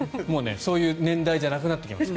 そういう年代じゃなくなってきます。